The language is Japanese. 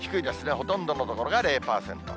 ほとんどの所が０％。